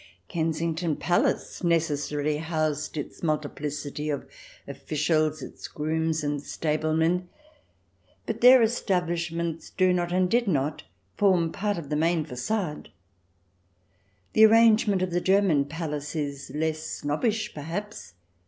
Kensington Palace necessarily housed its multi plicity of officials, its grooms and stablemen, but their establishments do not, and did not, form part of the main facade. The arrangement of the German palace is less snobbish perhaps.